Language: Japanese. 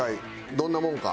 どんなもんか。